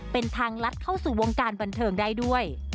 เป็นทางลัดเข้าสู่วงการบันเทิงได้ด้วย